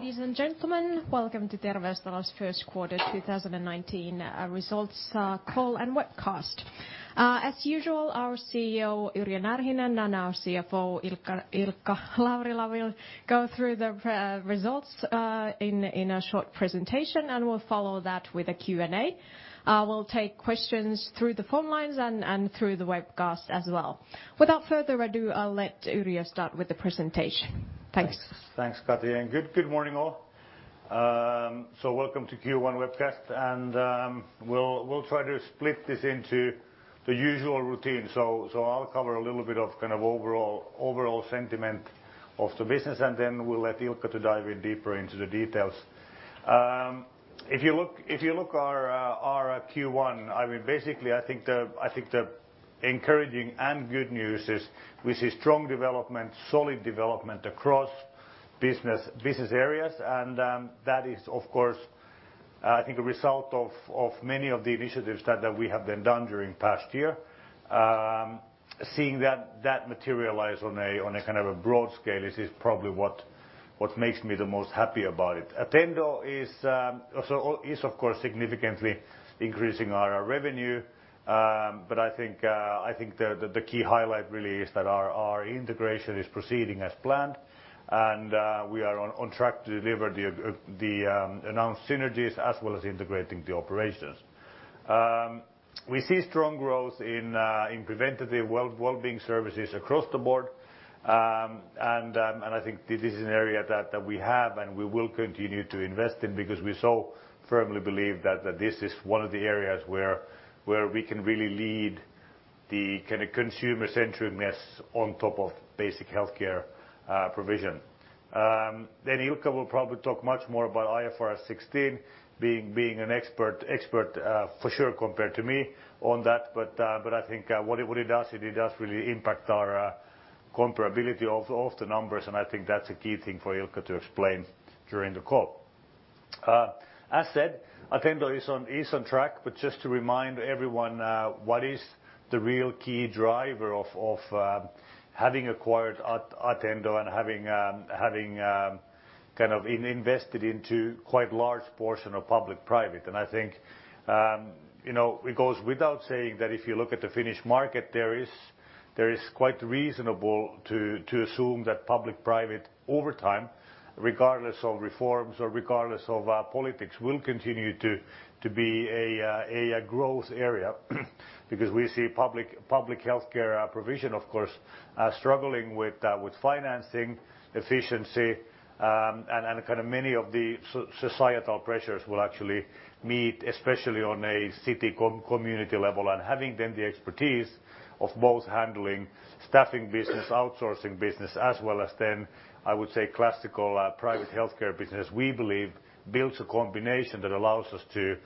Ladies and gentlemen, welcome to Terveystalo's first quarter 2019 results call and webcast. As usual, our CEO, Yrjö Närhinen, and our CFO, Ilkka Laurila, will go through the results in a short presentation, and we'll follow that with a Q&A. We'll take questions through the phone lines and through the webcast as well. Without further ado, I'll let Yrjö start with the presentation. Thanks. Thanks, Kati, and good morning, all. Welcome to Q1 webcast, and we'll try to split this into the usual routine. I'll cover a little bit of overall sentiment of the business, and then we'll let Ilkka to dive in deeper into the details. If you look our Q1, basically I think the encouraging and good news is we see strong development, solid development across business areas. That is, of course, I think a result of many of the initiatives that we have done during past year. Seeing that materialize on a broad scale is probably what makes me the most happy about it. Attendo is of course significantly increasing our revenue, but I think the key highlight really is that our integration is proceeding as planned, and we are on track to deliver the announced synergies, as well as integrating the operations. We see strong growth in preventative wellbeing services across the board. I think this is an area that we have and we will continue to invest in because we so firmly believe that this is one of the areas where we can really lead the consumer-centric mass on top of basic healthcare provision. Ilkka will probably talk much more about IFRS 16 being an expert, for sure compared to me on that. I think what it does, it does really impact our comparability of the numbers, and I think that's a key thing for Ilkka to explain during the call. As said, Attendo is on track, but just to remind everyone what is the real key driver of having acquired Attendo and having invested into quite large portion of public/private. I think it goes without saying that if you look at the Finnish market, there is quite reasonable to assume that public/private over time, regardless of reforms or regardless of politics, will continue to be a growth area because we see public healthcare provision, of course, struggling with financing efficiency. Many of the societal pressures will actually meet, especially on a city community level. Having then the expertise of both handling staffing business, outsourcing business, as well as then, I would say, classical private healthcare business, we believe builds a combination that allows us to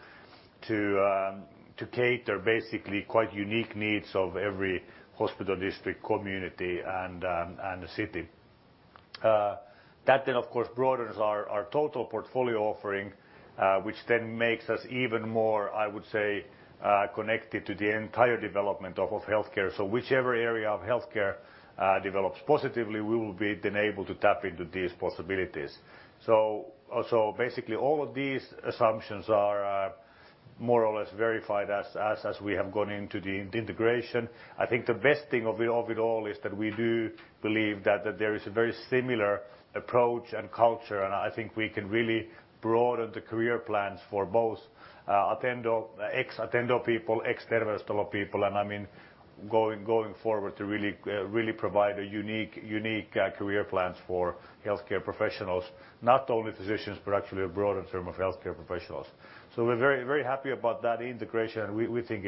cater basically quite unique needs of every hospital district community and city. That then, of course, broadens our total portfolio offering, which then makes us even more, I would say, connected to the entire development of healthcare. Whichever area of healthcare develops positively, we will be then able to tap into these possibilities. Basically all of these assumptions are more or less verified as we have gone into the integration. I think the best thing of it all is that we do believe that there is a very similar approach and culture, and I think we can really broaden the career plans for both ex-Attendo people, ex-Terveystalo people, and going forward to really provide a unique career plans for healthcare professionals. Not only physicians, but actually a broader term of healthcare professionals. We're very happy about that integration, and we think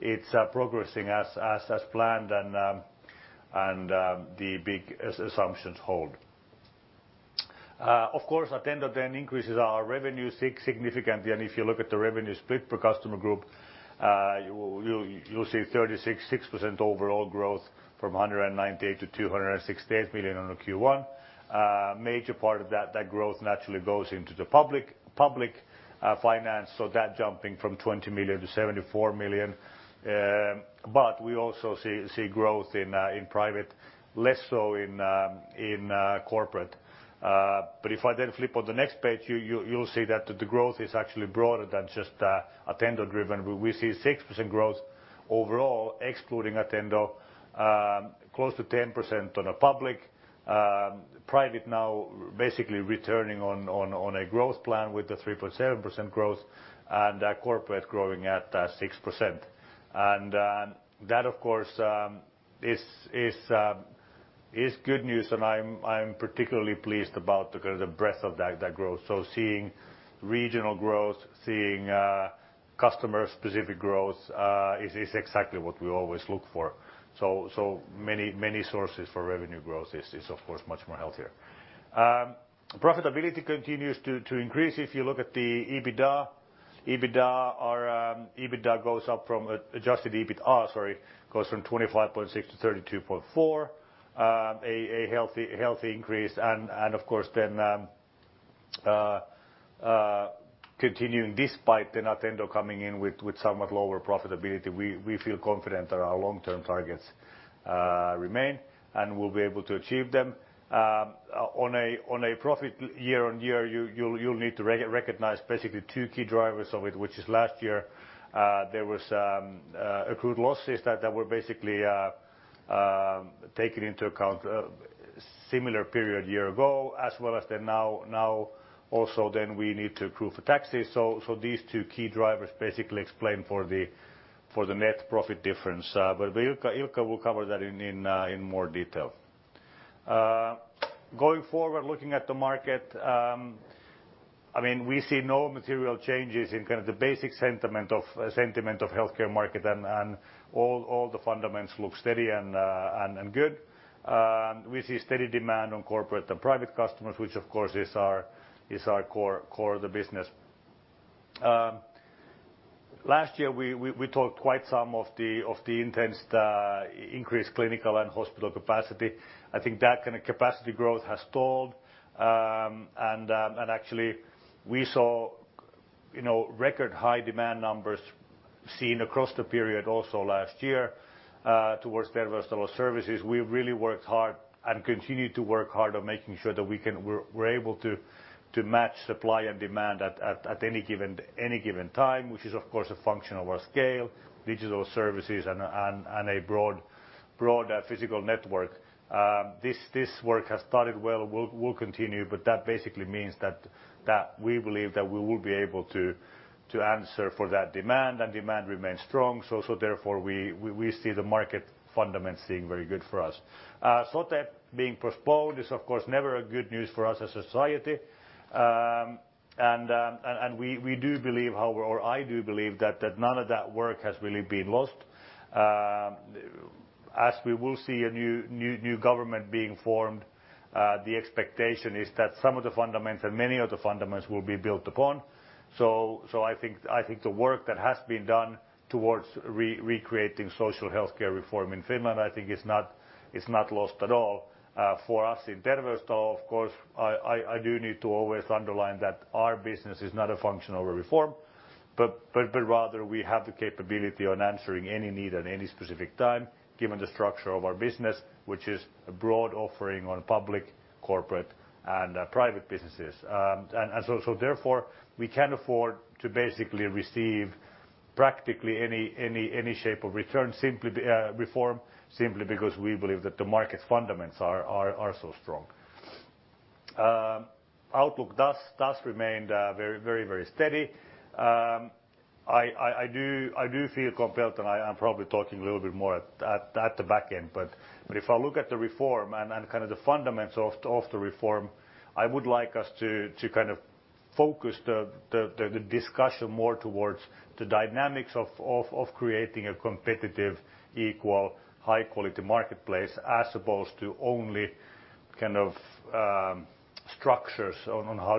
it's progressing as planned and the big assumptions hold. Attendo increases our revenue significantly, and if you look at the revenue split per customer group, you'll see 36% overall growth from 198 million to 268 million on the Q1. A major part of that growth naturally goes into the public finance, that jumping from 20 million to 74 million. We also see growth in private, less so in corporate. If I then flip on the next page, you'll see that the growth is actually broader than just Attendo driven, where we see 6% growth overall excluding Attendo, close to 10% on public. Private now basically returning on a growth plan with 3.7% growth and corporate growing at 6%. That, of course, is good news and I'm particularly pleased about the breadth of that growth. Seeing regional growth, seeing customer specific growth, is exactly what we always look for. Many sources for revenue growth is of course much more healthier. Profitability continues to increase. If you look at the EBITDA, our adjusted EBITDA goes from 25.6 million to 32.4 million. A healthy increase and of course continuing, despite Attendo coming in with somewhat lower profitability, we feel confident that our long-term targets remain, and we'll be able to achieve them. On a profit year-over-year, you'll need to recognize basically two key drivers of it, which is last year, there was accrued losses that were basically taken into account, similar period year ago, as well as now also then we need to accrue for taxes. These two key drivers basically explain for the net profit difference. Ilkka will cover that in more detail. Going forward, looking at the market, we see no material changes in kind of the basic sentiment of healthcare market and all the fundamentals look steady and good. We see steady demand on corporate and private customers, which, of course, is our core of the business. Last year, we talked quite some of the intense increased clinical and hospital capacity. I think that kind of capacity growth has stalled. Actually we saw record high demand numbers seen across the period also last year towards Terveystalo services. We've really worked hard and continue to work hard on making sure that we're able to match supply and demand at any given time, which is, of course, a function of our scale, digital services, and a broad physical network. This work has started well, will continue, that basically means that we believe that we will be able to answer for that demand, and demand remains strong. Therefore we see the market fundamentals being very good for us. Sote being postponed is, of course, never a good news for us as society. We do believe, however, or I do believe that none of that work has really been lost. As we will see a new government being formed, the expectation is that some of the fundamentals, many of the fundamentals will be built upon. I think the work that has been done towards recreating social healthcare reform in Finland, I think is not lost at all. For us in Terveystalo, of course, I do need to always underline that our business is not a function of a reform, but rather we have the capability on answering any need at any specific time, given the structure of our business, which is a broad offering on public, corporate, and private businesses. Therefore, we can afford to basically receive practically any shape of return, simply reform, simply because we believe that the market's fundamentals are so strong. Outlook does remain very steady. I do feel compelled, and I'm probably talking a little bit more at the back end, but if I look at the reform and kind of the fundamentals of the reform, I would like us to kind of focus the discussion more towards the dynamics of creating a competitive, equal, high-quality marketplace, as opposed to only kind of structures on how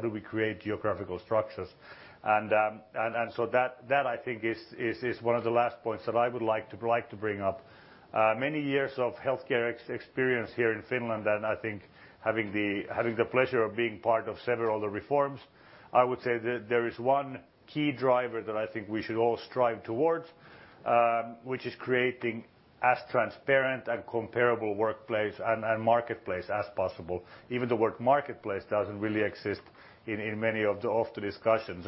do we create geographical structures. That I think is one of the last points that I would like to bring up. Many years of healthcare experience here in Finland, and I think having the pleasure of being part of several of the reforms, I would say that there is one key driver that I think we should all strive towards, which is creating as transparent and comparable workplace and marketplace as possible. Even the word marketplace doesn't really exist in many of the discussions.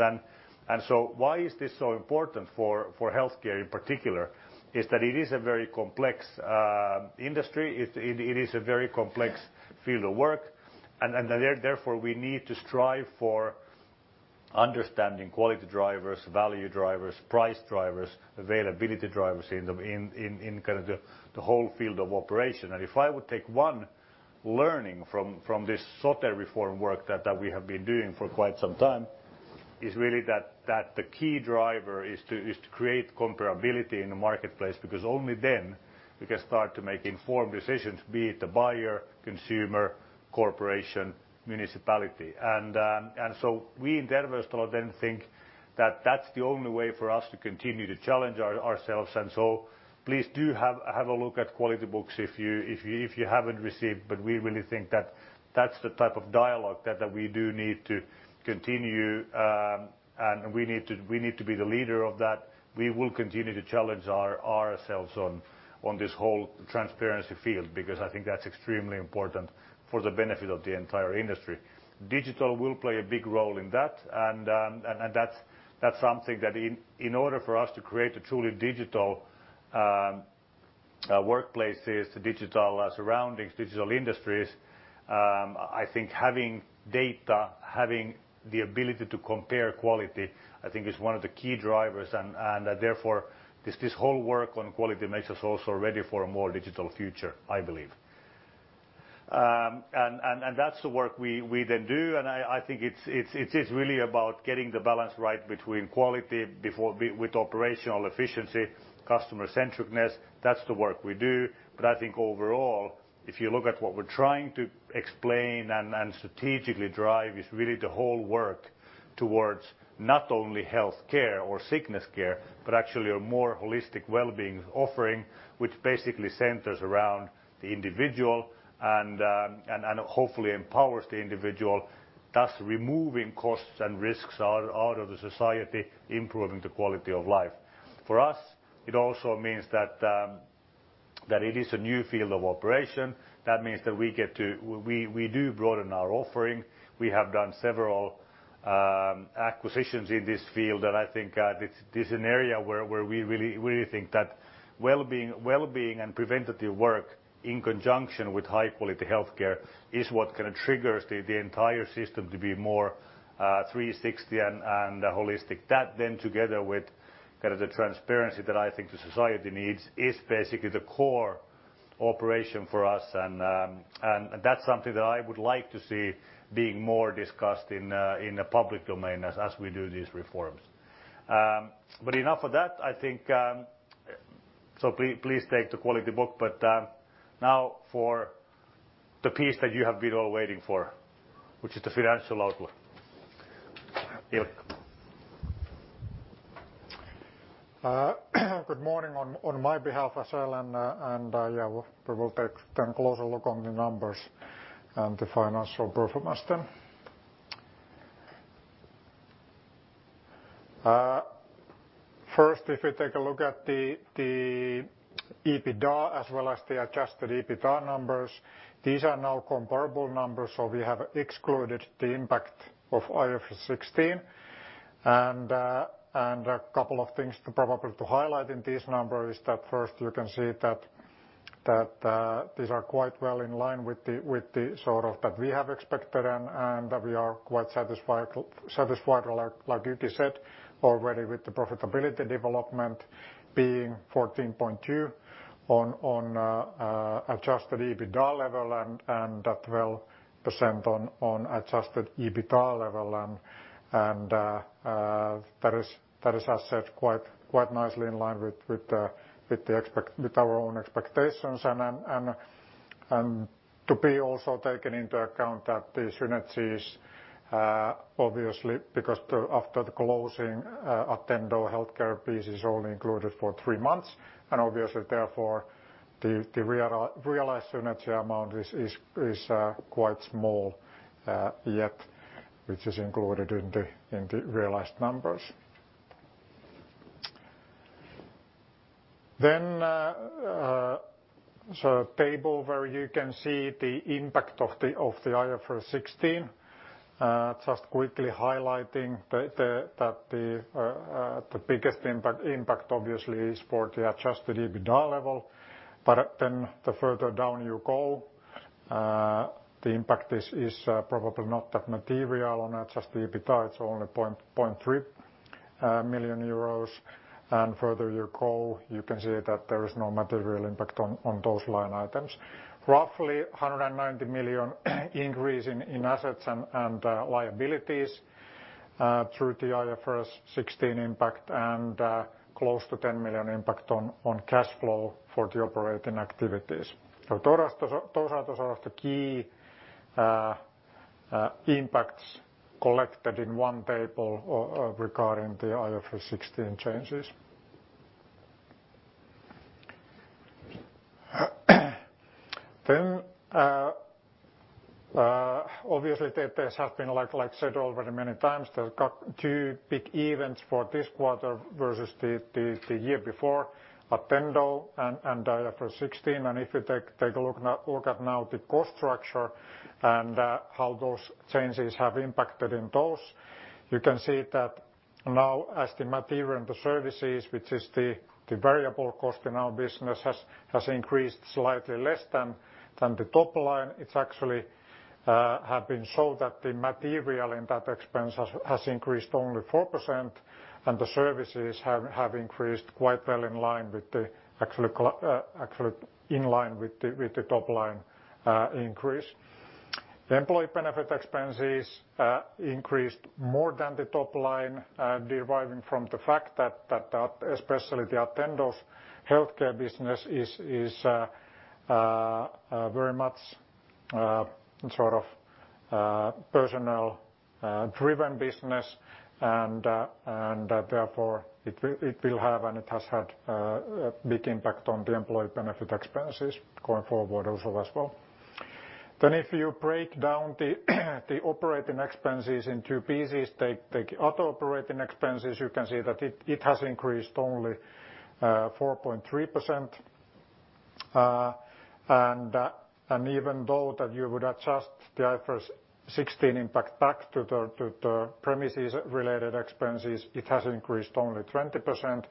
Why is this so important for healthcare in particular is that it is a very complex industry. It is a very complex field of work, and therefore we need to strive for understanding quality drivers, value drivers, price drivers, availability drivers in kind of the whole field of operation. If I would take one learning from this Sote reform work that we have been doing for quite some time, is really that the key driver is to create comparability in the marketplace, because only then we can start to make informed decisions, be it the buyer, consumer, corporation, municipality. We in Terveystalo then think that that's the only way for us to continue to challenge ourselves. Please do have a look at quality books if you haven't received, but we really think that that's the type of dialogue that we do need to continue, and we need to be the leader of that. We will continue to challenge ourselves on this whole transparency field, because I think that's extremely important for the benefit of the entire industry. Digital will play a big role in that, and that's something that in order for us to create a truly digital workplaces, digital surroundings, digital industries, I think having data, having the ability to compare quality, I think is one of the key drivers. Therefore, this whole work on quality makes us also ready for a more digital future, I believe. That's the work we then do, and I think it's really about getting the balance right between quality with operational efficiency, customer centricness. That's the work we do. I think overall, if you look at what we're trying to explain and strategically drive is really the whole work towards not only healthcare or sickness care, but actually a more holistic wellbeing offering, which basically centers around the individual and hopefully empowers the individual, thus removing costs and risks out of the society, improving the quality of life. For us, it also means that it is a new field of operation. That means that we do broaden our offering. We have done several acquisitions in this field, and I think this is an area where we really think that wellbeing and preventative work, in conjunction with high-quality healthcare, is what triggers the entire system to be more 360 and holistic. Together with the transparency that I think the society needs, is basically the core operation for us. That's something that I would like to see being more discussed in a public domain as we do these reforms. Enough of that, I think. Please take the quality book, now for the piece that you have been all waiting for, which is the financial outlook. Ilkka. Good morning on my behalf as well. We will take a closer look on the numbers and the financial performance then. First, if we take a look at the EBITDA, as well as the adjusted EBITDA numbers, these are now comparable numbers, so we have excluded the impact of IFRS 16. A couple of things probably to highlight in this number is that first you can see that these are quite well in line with the sort of, that we have expected and that we are quite satisfied, like Yrjö said, already with the profitability development being 14.2% on adjusted EBITDA level and that 12% on adjusted EBITDA level. That is, as said, quite nicely in line with our own expectations and to be also taken into account that the synergies obviously, because after the closing Attendo healthcare piece is only included for three months and obviously therefore the realized synergy amount is quite small, yet which is included in the realized numbers. Table where you can see the impact of the IFRS 16. Just quickly highlighting that the biggest impact obviously is for the adjusted EBITDA level. The further down you go, the impact is probably not that material on adjusted EBITDA. It's only 0.3 million euros. Further you go, you can see that there is no material impact on those line items. Roughly 190 million increase in assets and liabilities through the IFRS 16 impact and close to 10 million impact on cash flow for the operating activities. Those are the sort of the key impacts collected in one table regarding the IFRS 16 changes. Obviously that this has been, like I said already many times, the two big events for this quarter versus the year before, Attendo and IFRS 16. If you take a look at now the cost structure and how those changes have impacted in those, you can see that now as the material and the services, which is the variable cost in our business, has increased slightly less than the top line. It actually have been so that the material in that expense has increased only 4%, and the services have increased quite well in line with the top-line increase. The employee benefit expenses increased more than the top line, deriving from the fact that especially the Attendo's healthcare business is very much a personal-driven business and therefore it will have and it has had a big impact on the employee benefit expenses going forward also as well. If you break down the operating expenses in two pieces, take the other operating expenses, you can see that it has increased only 4.3%. Even though that you would adjust the IFRS 16 impact back to the premises related expenses, it has increased only 20%.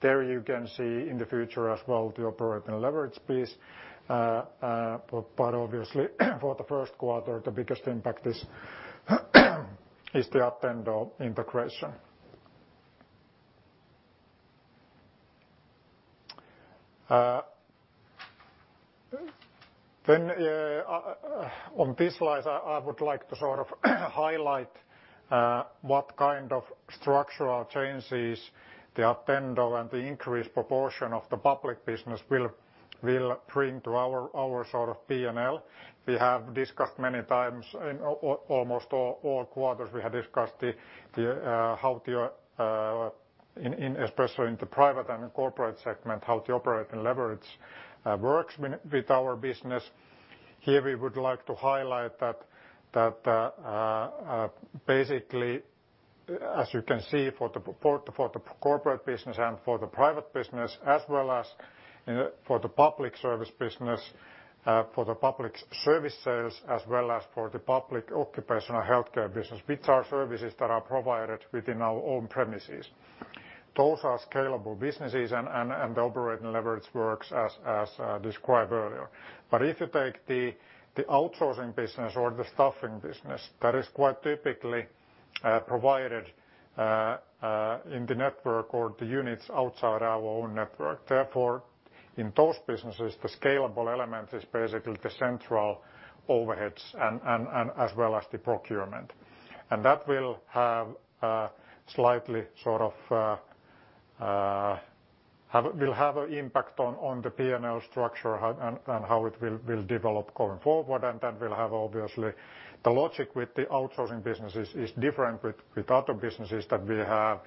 There you can see in the future as well the operating leverage piece. Obviously for the first quarter, the biggest impact is the Attendo integration. On this slide, I would like to highlight what kind of structural changes the Attendo and the increased proportion of the public business will bring to our P&L. We have discussed many times in almost all quarters, we have discussed how, especially in the private and corporate segment, how the operating leverage works with our business. Here we would like to highlight that basically, as you can see for the corporate business and for the private business, as well as for the public service business, for the public services, as well as for the public occupational healthcare business, which are services that are provided within our own premises. Those are scalable businesses and the operating leverage works as described earlier. If you take the outsourcing business or the staffing business, that is quite typically provided in the network or the units outside our own network. Therefore, in those businesses, the scalable element is basically the central overheads as well as the procurement. That will have an impact on the P&L structure and how it will develop going forward, and then will have obviously the logic with the outsourcing businesses is different with other businesses that we have.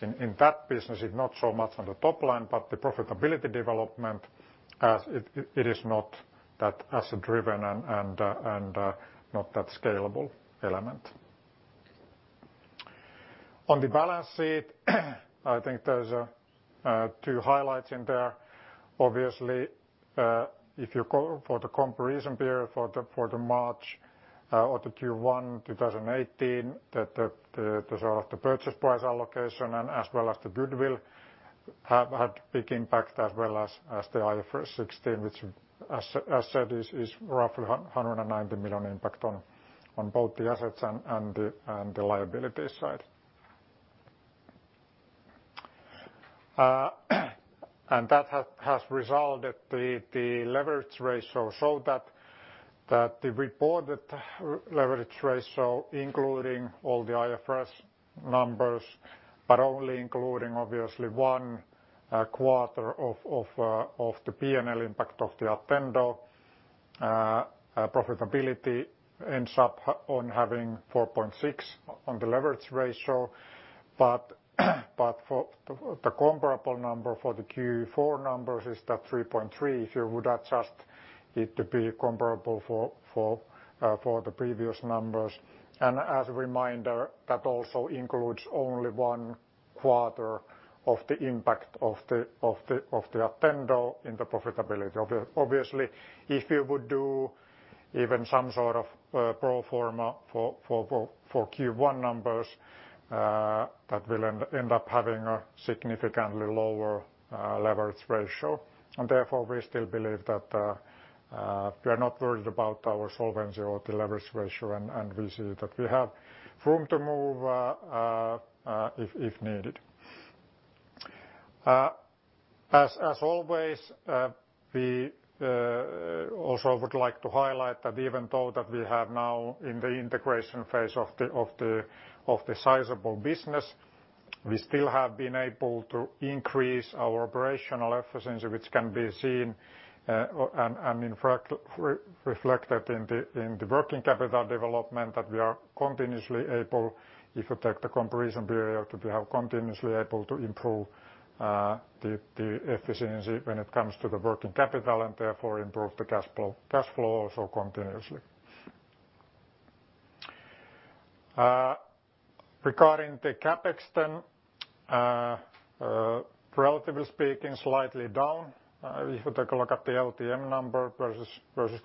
In that business, it's not so much on the top line, but the profitability development as it is not that asset driven and not that scalable element. On the balance sheet, I think there's two highlights in there. Obviously, for the comparison period for the March or the Q1 2018, the purchase price allocation and as well as the goodwill have had big impact as well as the IFRS 16, which as said, is roughly 190 million impact on both the assets and the liability side. That has resulted the leverage ratio so that the reported leverage ratio including all the IFRS numbers, but only including obviously one quarter of the P&L impact of the Attendo profitability ends up on having 4.6 on the leverage ratio. The comparable number for the Q4 numbers is that 3.3, if you would adjust it to be comparable for the previous numbers. As a reminder, that also includes only one quarter of the impact of the Attendo in the profitability. Obviously, if you would do even some sort of pro forma for Q1 numbers, that will end up having a significantly lower leverage ratio. Therefore, we still believe that we are not worried about our solvency or the leverage ratio, and we see that we have room to move if needed. As always, we also would like to highlight that even though that we have now in the integration phase of the sizable business, we still have been able to increase our operational efficiency, which can be seen and reflected in the working capital development that we are continuously able, if you take the comparison period, that we are continuously able to improve the efficiency when it comes to the working capital and therefore improve the cash flow also continuously. Regarding the CapEx, relatively speaking, slightly down. If you take a look at the LTM number versus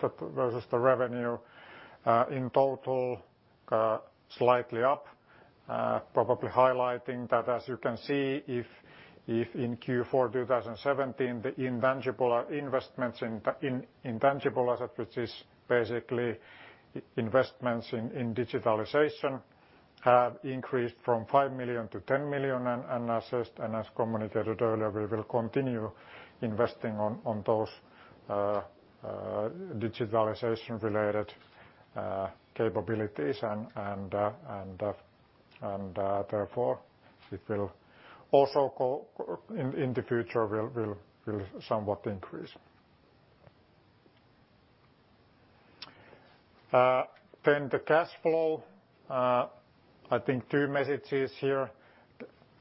the revenue in total, slightly up. Probably highlighting that as you can see, if in Q4 2017, the investments in intangible assets, which is basically investments in digitalization, have increased from 5 million to 10 million and as communicated earlier, we will continue investing on those digitalization related capabilities and therefore it will also in the future will somewhat increase. The cash flow. I think two messages here.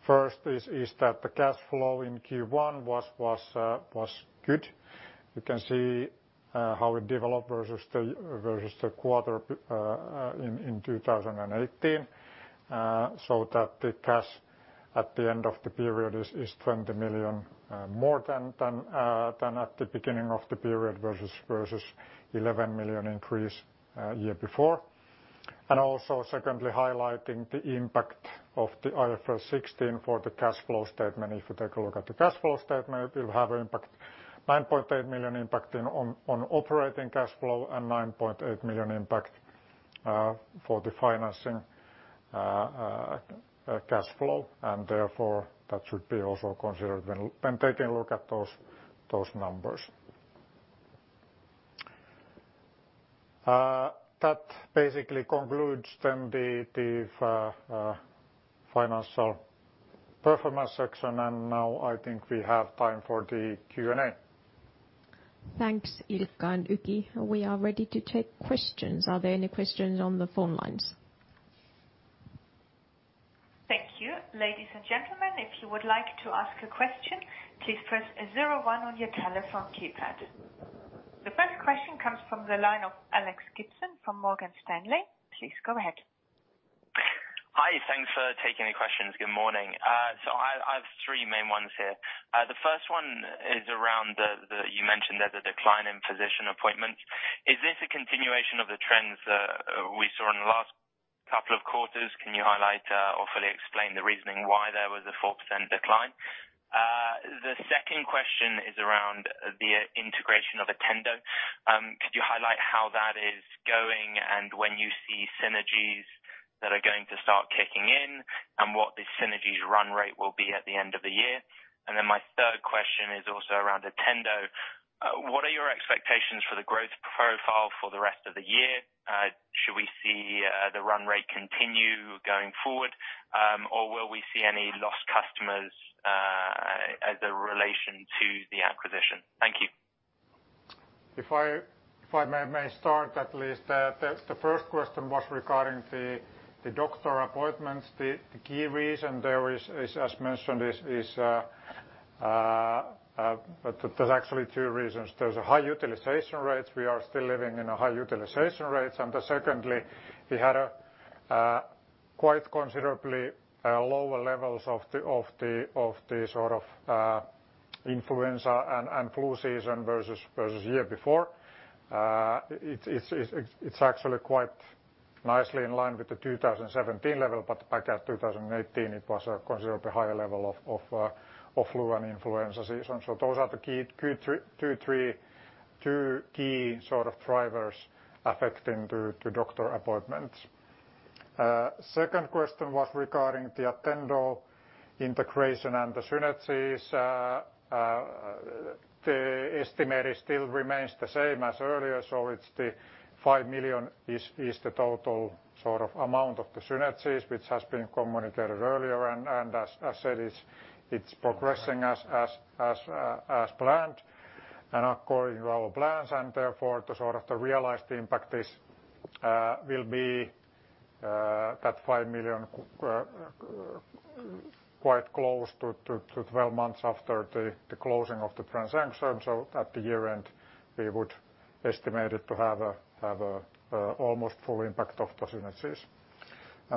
First is that the cash flow in Q1 was good. You can see how it developed versus the quarter in 2018, so that the cash at the end of the period is 20 million more than at the beginning of the period versus 11 million increase year before. Also secondly, highlighting the impact of the IFRS 16 for the cash flow statement. If you take a look at the cash flow statement, it will have 9.8 million impact on operating cash flow and 9.8 million impact for the financing cash flow, therefore that should be also considered when taking a look at those numbers. That basically concludes the financial performance section. Now I think we have time for the Q&A. Thanks, Ilkka and Yrjö. We are ready to take questions. Are there any questions on the phone lines? Thank you. Ladies and gentlemen, if you would like to ask a question, please press zero one on your telephone keypad. The first question comes from the line of Alex Gibson from Morgan Stanley. Please go ahead. Hi. Thanks for taking the questions. Good morning. I have three main ones here. The first one is around the, you mentioned there's a decline in physician appointments. Is this a continuation of the trends we saw in the last couple of quarters? Can you highlight or fully explain the reasoning why there was a 4% decline? The second question is around the integration of Attendo. Could you highlight how that is going and when you see synergies that are going to start kicking in? What the synergies run rate will be at the end of the year? My third question is also around Attendo. What are your expectations for the growth profile for the rest of the year? Should we see the run rate continue going forward? Will we see any lost customers as a relation to the acquisition? Thank you. If I may start, at least. The first question was regarding the doctor appointments. The key reason there is, as mentioned, there's actually two reasons. There's a high utilization rates. We are still living in a high utilization rates. Secondly, we had a quite considerably lower levels of the sort of influenza and flu season versus year before. It's actually quite nicely in line with the 2017 level, but back at 2018, it was a considerably higher level of flu and influenza season. Those are the two key sort of drivers affecting the doctor appointments. Second question was regarding the Attendo integration and the synergies. The estimate still remains the same as earlier, it's the 5 million is the total sort of amount of the synergies, which has been communicated earlier and as I said, it's progressing as planned and according to our plans and therefore the sort of the realized impact will be that 5 million quite close to 12 months after the closing of the transaction. So at the year-end, we would estimate it to have a almost full impact of the synergies.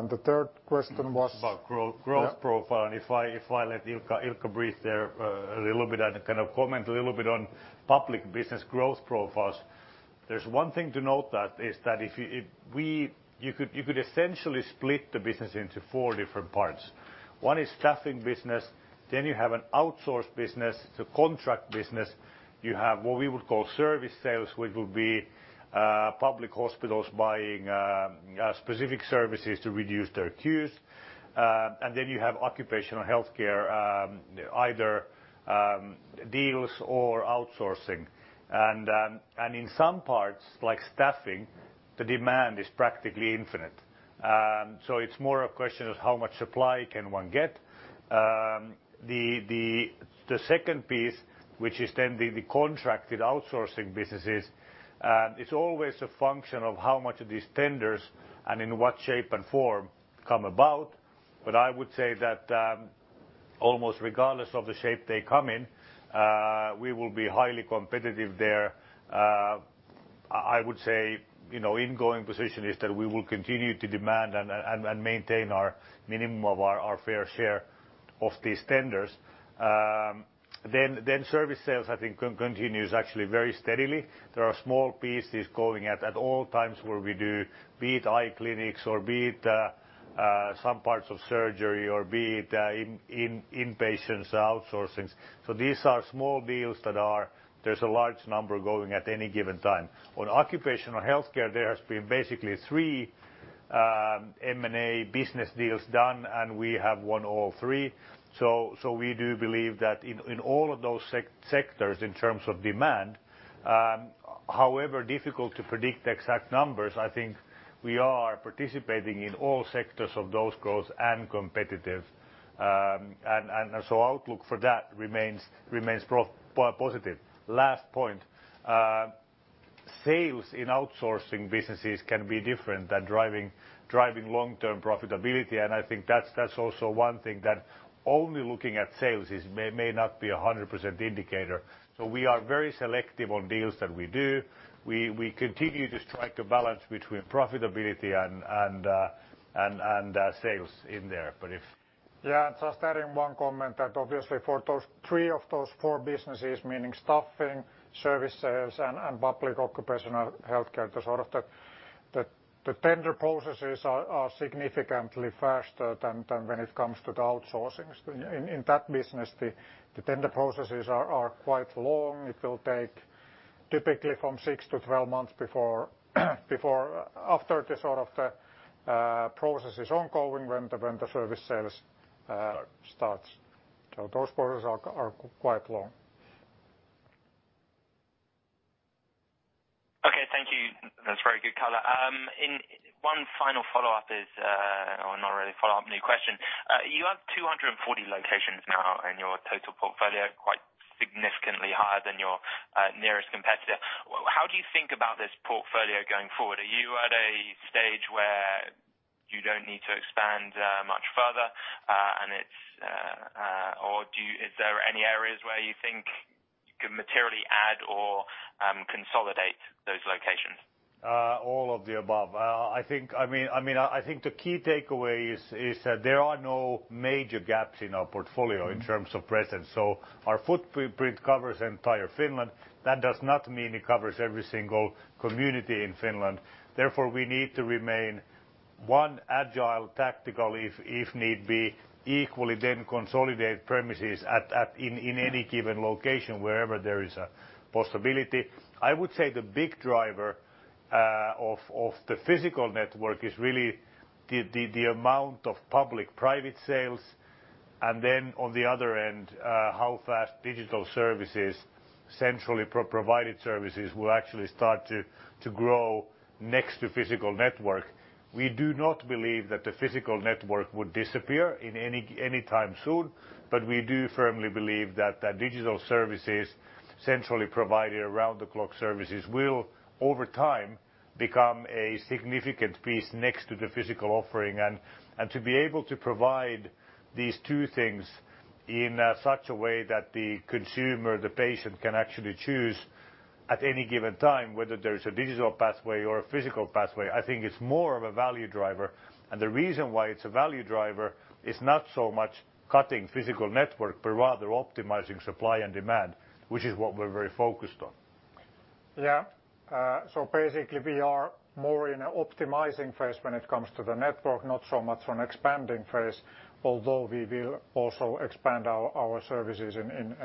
The third question was- About growth profile. If I let Ilkka breathe there a little bit and kind of comment a little bit on public business growth profiles. There's one thing to note that is that you could essentially split the business into four different parts. One is staffing business, then you have an outsourced business, the contract business. You have what we would call service sales, which will be public hospitals buying specific services to reduce their queues. Then you have occupational healthcare, either deals or outsourcing. In some parts, like staffing, the demand is practically infinite. It's more a question of how much supply can one get. The second piece, which is then the contracted outsourcing businesses, it's always a function of how much of these tenders and in what shape and form come about. I would say that almost regardless of the shape they come in, we will be highly competitive there. I would say, ingoing position is that we will continue to demand and maintain our minimum of our fair share of these tenders. Service sales, I think continues actually very steadily. There are small pieces going at all times where we do, be it eye clinics or be it some parts of surgery or be it in-patients, outsourcings. These are small deals that there's a large number going at any given time. On occupational healthcare, there has been basically three M&A business deals done, we have won all three. We do believe that in all of those sectors, in terms of demand, however difficult to predict the exact numbers, I think we are participating in all sectors of those growth and competitive. Outlook for that remains positive. Last point. Sales in outsourcing businesses can be different than driving long-term profitability, and I think that's also one thing that only looking at sales may not be 100% indicator. We are very selective on deals that we do. We continue to strike a balance between profitability and sales in there. If- Just adding one comment that obviously for those three of those four businesses, meaning staffing, service sales, and public occupational healthcare, the sort of the tender processes are significantly faster than when it comes to the outsourcing. In that business, the tender processes are quite long. Typically from 6 to 12 months after the process is ongoing when the service sales starts. Those orders are quite long. Okay, thank you. That's very good color. One final follow-up is, or not really a follow-up, new question. You have 240 locations now in your total portfolio, quite significantly higher than your nearest competitor. How do you think about this portfolio going forward? Are you at a stage where you don't need to expand much further? Is there any areas where you think you can materially add or consolidate those locations? All of the above. I think the key takeaway is that there are no major gaps in our portfolio in terms of presence. Our footprint covers entire Finland. That does not mean it covers every single community in Finland. Therefore, we need to remain one agile tactical, if need be, equally then consolidate premises in any given location wherever there is a possibility. I would say the big driver of the physical network is really the amount of public-private sales, and then on the other end, how fast digital services, centrally provided services, will actually start to grow next to physical network. We do not believe that the physical network would disappear any time soon, but we do firmly believe that digital services, centrally provided around-the-clock services, will, over time, become a significant piece next to the physical offering. To be able to provide these two things in such a way that the consumer, the patient, can actually choose at any given time whether there's a digital pathway or a physical pathway, I think it's more of a value driver. The reason why it's a value driver is not so much cutting physical network, but rather optimizing supply and demand, which is what we're very focused on. Yeah. Basically, we are more in an optimizing phase when it comes to the network, not so much on expanding phase, although we will also expand our services and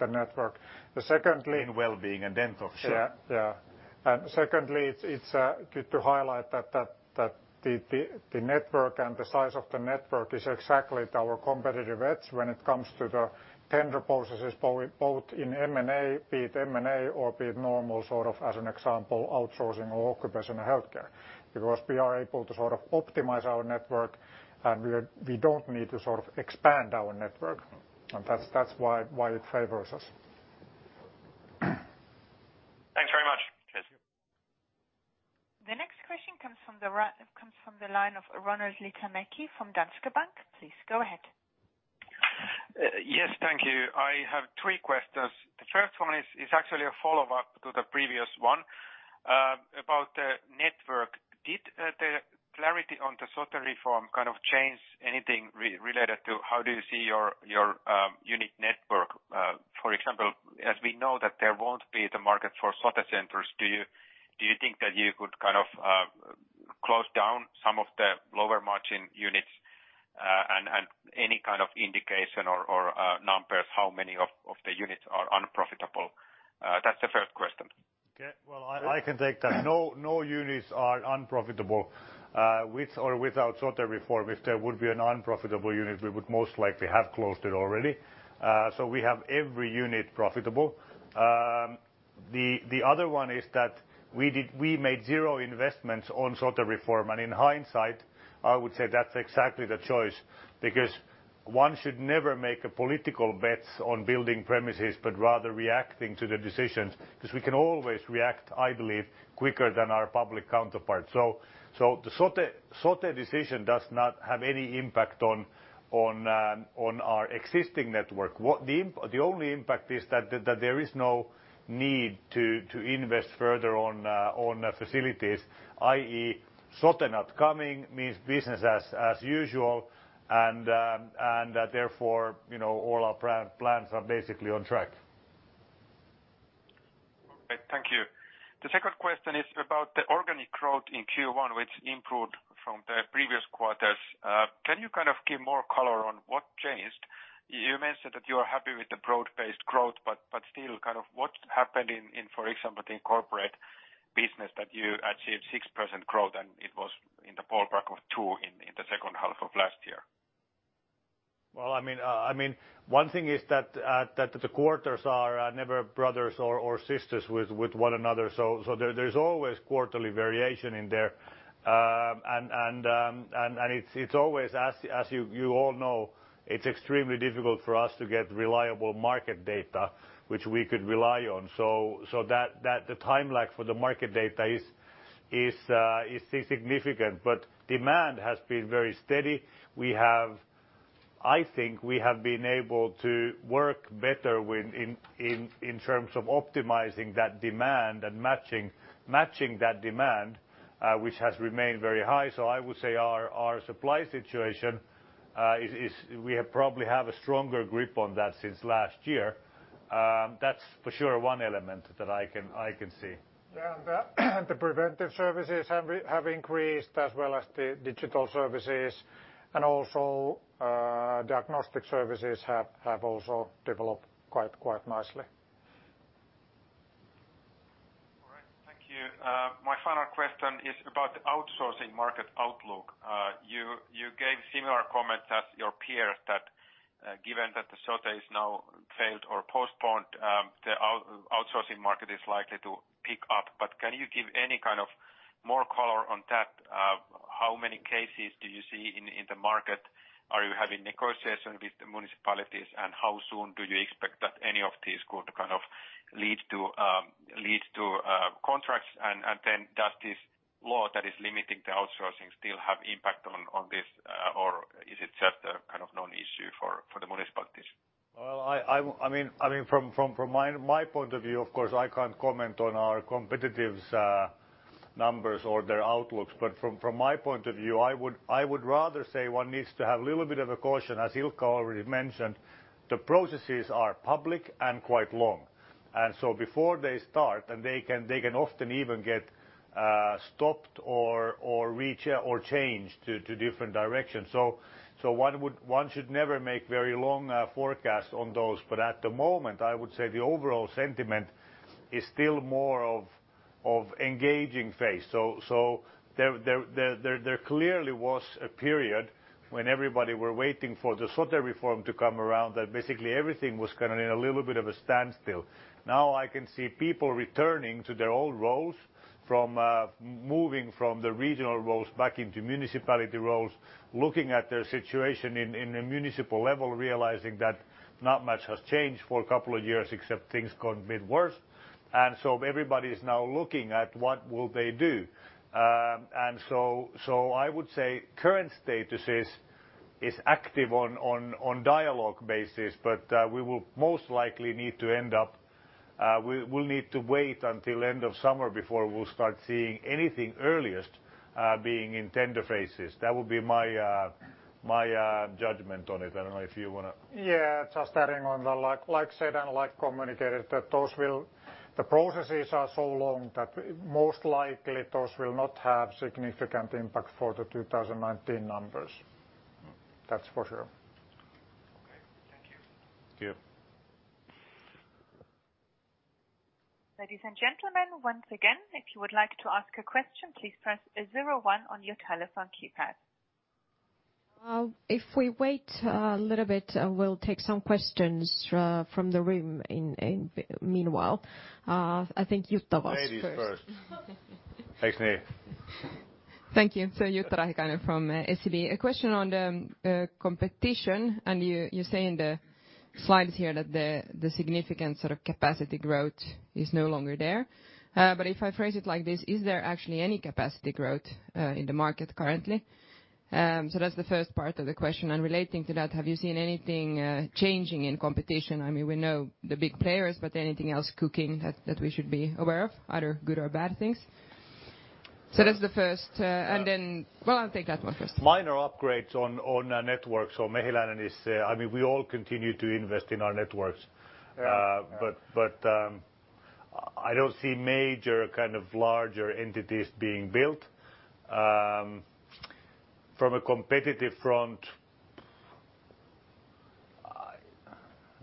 the network. In well-being and dental. Sure. Yeah. Secondly, it's good to highlight that the network and the size of the network is exactly our competitive edge when it comes to the tender processes, both in M&A, be it M&A or be it normal, as an example, outsourcing or occupational healthcare. Because we are able to optimize our network, and we don't need to expand our network. That's why it favors us. Thanks very much. Cheers. The next question comes from the line of [Ronald Letemäki] from Danske Bank. Please go ahead. Yes, thank you. I have three questions. The first one is actually a follow-up to the previous one about the network. Did the clarity on the Sote reform change anything related to how do you see your unique network? For example, as we know that there won't be the market for Sote centers, do you think that you could close down some of the lower margin units, and any kind of indication or numbers how many of the units are unprofitable? That's the first question. Okay. Well, I can take that. No units are unprofitable with or without Sote reform. If there would be an unprofitable unit, we would most likely have closed it already. We have every unit profitable. The other one is that we made zero investments on Sote reform, and in hindsight, I would say that's exactly the choice because one should never make political bets on building premises, but rather reacting to the decisions, because we can always react, I believe, quicker than our public counterparts. The Sote decision does not have any impact on our existing network. The only impact is that there is no need to invest further on facilities, i.e., Sote not coming means business as usual, and therefore, all our plans are basically on track. Okay, thank you. The second question is about the organic growth in Q1, which improved from the previous quarters. Can you give more color on what changed? You mentioned that you are happy with the broad-based growth, Still, what happened in, for example, the corporate business that you achieved 6% growth and it was in the ballpark of two in the second half of last year? Well, one thing is that the quarters are never brothers or sisters with one another. There's always quarterly variation in there. It's always, as you all know, it's extremely difficult for us to get reliable market data which we could rely on. The time lag for the market data is significant, but demand has been very steady. I think we have been able to work better in terms of optimizing that demand and matching that demand, which has remained very high. I would say our supply situation, we probably have a stronger grip on that since last year. That's for sure one element that I can see. The preventive services have increased as well as the digital services, and also diagnostic services have also developed quite nicely. Thank you. My final question is about the outsourcing market outlook. You gave similar comments as your peers that given that the SOTE has now failed or postponed, the outsourcing market is likely to pick up, but can you give any more color on that? How many cases do you see in the market? Are you having negotiations with the municipalities? How soon do you expect that any of this could lead to contracts? Does this law that is limiting the outsourcing still have impact on this or is it just a non-issue for the municipalities? From my point of view, of course, I can't comment on our competitors' numbers or their outlooks. From my point of view, I would rather say one needs to have a little bit of a caution, as Ilkka already mentioned, the processes are public and quite long. Before they start, and they can often even get stopped or reach or change to different directions. One should never make very long forecasts on those. At the moment, I would say the overall sentiment is still more of engaging phase. There clearly was a period when everybody were waiting for the SOTE reform to come around that basically everything was in a little bit of a standstill. Now I can see people returning to their old roles from moving from the regional roles back into municipality roles, looking at their situation in the municipal level, realizing that not much has changed for a couple of years, except things got a bit worse. Everybody is now looking at what will they do. I would say current status is active on dialogue basis, but we will most likely need to wait until end of summer before we'll start seeing anything earliest being in tender phases. That would be my judgment on it. I don't know if you want to- Yeah, just adding on the like said and like communicated that the processes are so long that most likely those will not have significant impact for the 2019 numbers. That's for sure. Okay. Thank you. Yeah. Ladies and gentlemen, once again, if you would like to ask a question, please press 01 on your telephone keypad. If we wait a little bit, we'll take some questions from the room in meanwhile. I think Jutta was first. Ladies first. Thanks, Neel. Thank you. Jutta Rahikainen from SEB. A question on the competition, you say in the slides here that the significant capacity growth is no longer there. If I phrase it like this, is there actually any capacity growth in the market currently? That's the first part of the question. Relating to that, have you seen anything changing in competition? We know the big players, anything else cooking that we should be aware of, either good or bad things? That's the first, well, I'll take that one first. Minor upgrades on networks, we all continue to invest in our networks. Yeah. I don't see major larger entities being built. From a competitive front,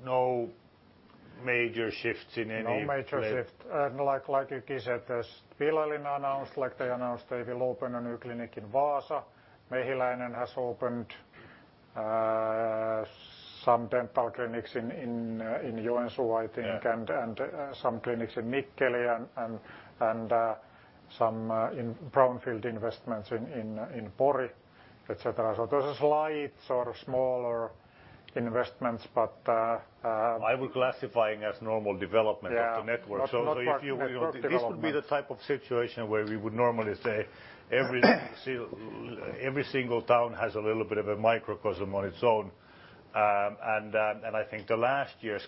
no major shifts. No major shift. Like Jutta said, Pihlajalinna announced they will open a new clinic in Vaasa. Mehiläinen has opened some dental clinics in Joensuu. Yeah some clinics in Mikkeli and some brownfield investments in Pori, et cetera. There's a slight smaller investments. I will classifying as normal development of the network. Yeah. Not part of the network development. This would be the type of situation where we would normally say every single town has a little bit of a microcosm on its own. I think the last year's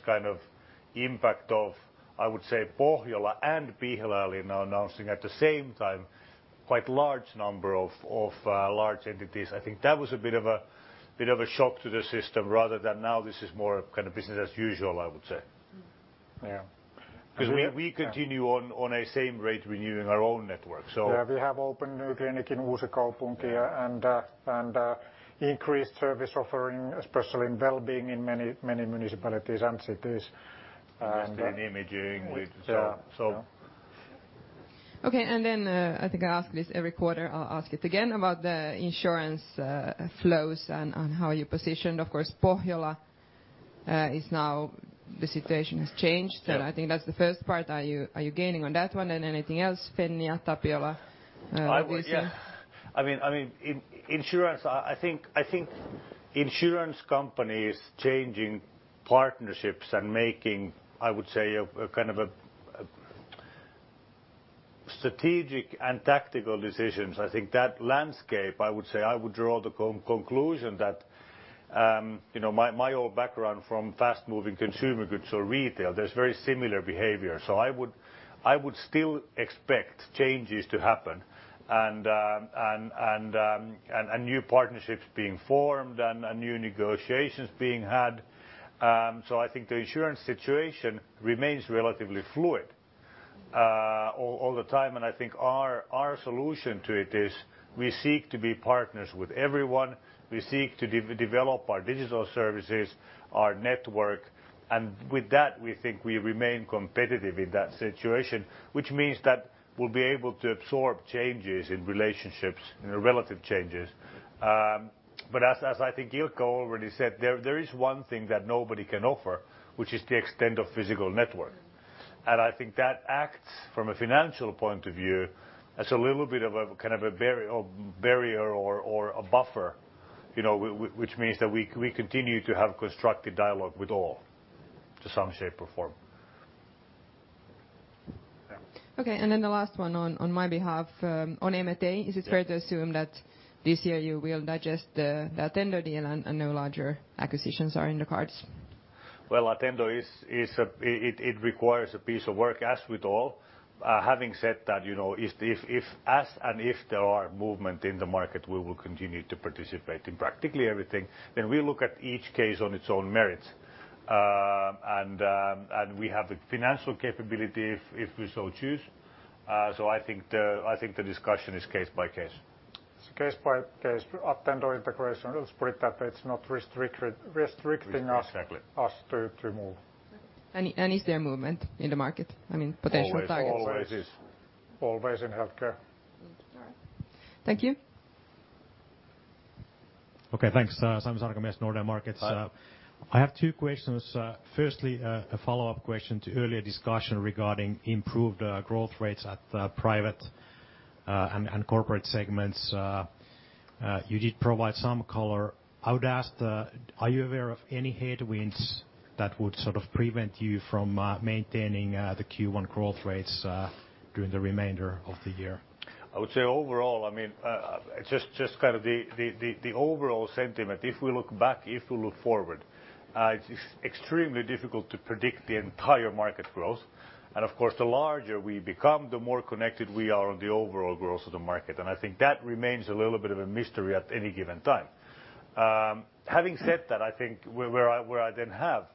impact of, I would say, Pohjola and Pihlajalinna announcing at the same time quite large number of large entities. I think that was a bit of a shock to the system rather than now this is more business as usual, I would say. Yeah. We continue on a same rate renewing our own network. Yeah, we have opened new clinic in Uusikaupunki and increased service offering, especially in wellbeing in many municipalities and cities. Invested in imaging. Yeah. So. Okay, I think I ask this every quarter, I'll ask it again about the insurance flows and on how you're positioned. Of course, Pohjola is now the situation has changed. Yeah. I think that's the first part. Are you gaining on that one? Anything else, Fennia, Tapiola, this year? Yeah. Insurance, I think insurance companies changing partnerships and making, I would say, strategic and tactical decisions. I think that landscape, I would say, I would draw the conclusion that my whole background from fast-moving consumer goods or retail, there's very similar behavior. I would still expect changes to happen and new partnerships being formed and new negotiations being had. I think the insurance situation remains relatively fluid all the time, and I think our solution to it is we seek to be partners with everyone. We seek to develop our digital services, our network, and with that, we think we remain competitive in that situation, which means that we'll be able to absorb changes in relationships, relative changes. As I think Jutta already said, there is one thing that nobody can offer, which is the extent of physical network. I think that acts from a financial point of view as a little bit of a barrier or a buffer which means that we continue to have constructive dialogue with all to some shape or form. The last one on my behalf. On M&A, is it fair to assume that this year you will digest the Attendo deal and no larger acquisitions are in the cards? Attendo, it requires a piece of work, as with all. Having said that, as and if there are movement in the market, we will continue to participate in practically everything. We look at each case on its own merits. We have the financial capability if we so choose. I think the discussion is case by case. It's case by case. Attendo integration is spread that it's not restricting us. Exactly us to move. Is there movement in the market? I mean, potential targets. Always is. Always in healthcare. All right. Thank you. Okay, thanks. Sami Sarkamies, Nordea Markets. Hi. I have two questions. Firstly, a follow-up question to earlier discussion regarding improved growth rates at the private and corporate segments. You did provide some color. I would ask, are you aware of any headwinds that would prevent you from maintaining the Q1 growth rates during the remainder of the year? I would say overall, just the overall sentiment, if we look back, if we look forward, it's extremely difficult to predict the entire market growth. Of course, the larger we become, the more connected we are on the overall growth of the market. I think that remains a little bit of a mystery at any given time. Having said that, I think where I then have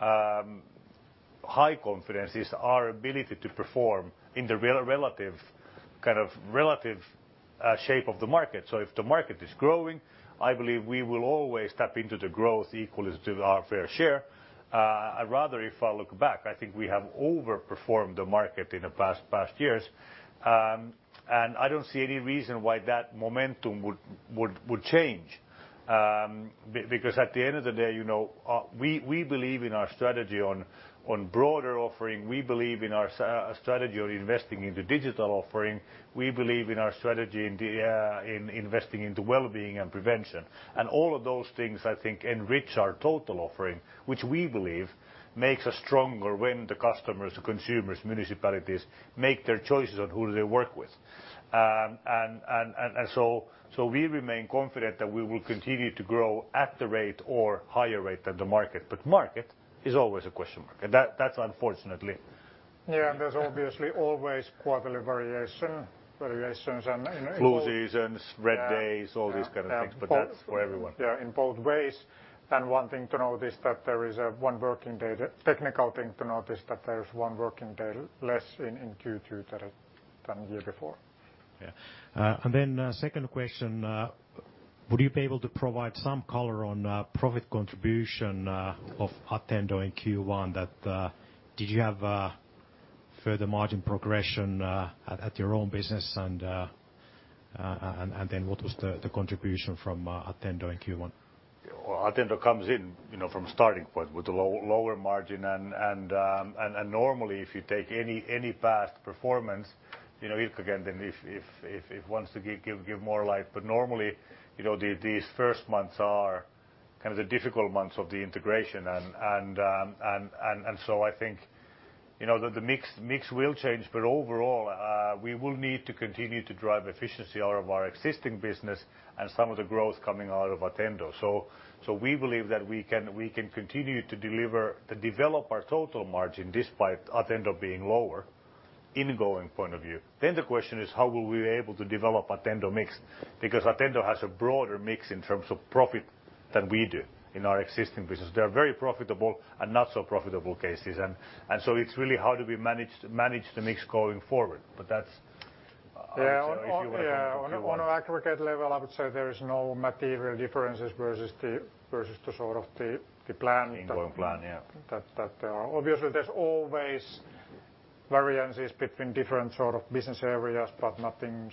high confidence is our ability to perform in the relative shape of the market. If the market is growing, I believe we will always tap into the growth equal as to our fair share. Rather, if I look back, I think we have overperformed the market in the past years. I don't see any reason why that momentum would change. At the end of the day, we believe in our strategy on broader offering. We believe in our strategy on investing in the digital offering. We believe in our strategy in investing in the wellbeing and prevention. All of those things, I think, enrich our total offering, which we believe makes us stronger when the customers, the consumers, municipalities, make their choices on who they work with. We remain confident that we will continue to grow at the rate or higher rate than the market, but market is always a question mark. There's obviously always quarterly variations. Flu seasons, red days, all these kind of things, but that's for everyone. In both ways. One thing to notice that there is a one working day, technical thing to notice that there is one working day less in Q2 than year before. Yeah. Then second question. Would you be able to provide some color on profit contribution of Attendo in Q1 that did you have further margin progression at your own business what was the contribution from Attendo in Q1? Attendo comes in from starting point with a lower margin. Normally if you take any past performance, you know, if again, then if wants to give more light, normally these first months are the difficult months of the integration. I think the mix will change, overall, we will need to continue to drive efficiency out of our existing business and some of the growth coming out of Attendo. We believe that we can continue to deliver, to develop our total margin despite Attendo being lower in going point of view. The question is how will we be able to develop Attendo mix because Attendo has a broader mix in terms of profit than we do in our existing business. They're very profitable and not so profitable cases. It's really how do we manage the mix going forward. That's If you want to- On aggregate level, I would say there is no material differences versus the sort of the plan- Ingoing plan, yeah that there are. Obviously, there's always variances between different business areas, but nothing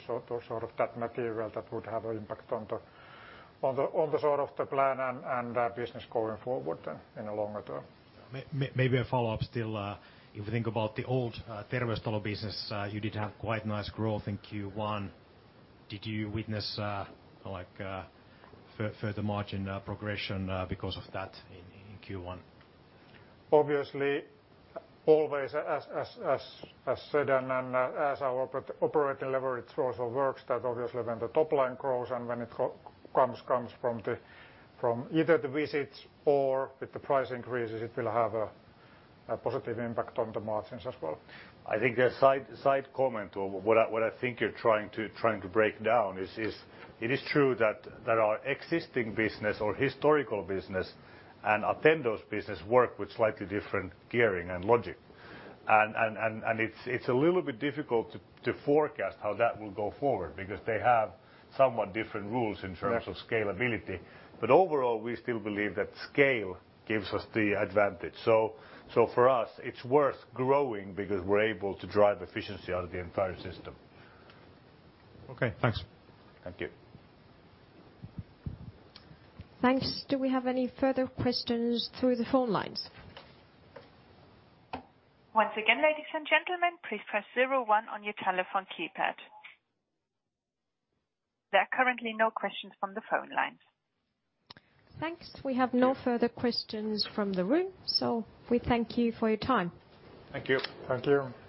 that material that would have an impact on the plan and business going forward then in the longer term. Maybe a follow-up still. If you think about the old Terveystalo business, you did have quite nice growth in Q1. Did you witness further margin progression because of that in Q1? Obviously, always as said and as our operating leverage also works that obviously when the top line grows and when it comes from either the visits or with the price increases, it will have a positive impact on the margins as well. I think a side comment or what I think you're trying to break down is, it is true that our existing business or historical business and Attendo's business work with slightly different gearing and logic. It's a little bit difficult to forecast how that will go forward because they have somewhat different rules in terms of scalability. Overall, we still believe that scale gives us the advantage. For us, it's worth growing because we're able to drive efficiency out of the entire system. Okay, thanks. Thank you. Thanks. Do we have any further questions through the phone lines? Once again, ladies and gentlemen, please press 01 on your telephone keypad. There are currently no questions from the phone lines. Thanks. We have no further questions from the room. We thank you for your time. Thank you. Thank you.